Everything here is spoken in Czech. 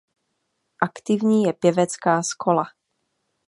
Aktivní je pěvecká schola.